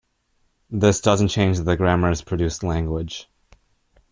This doesn't change the grammar's produced language.